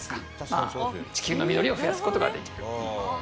まあ地球の緑を増やす事ができる。